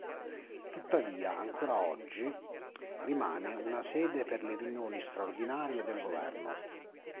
Tuttavia ancora oggi rimane una sede per le riunioni straordinarie del Governo.